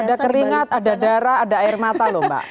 ada keringat ada darah ada air mata loh mbak